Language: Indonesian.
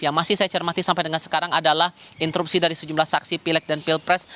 yang masih saya cermati sampai dengan sekarang adalah interupsi dari sejumlah saksi pilek dan pilpres